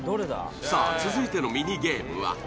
さぁ続いてのミニゲームは。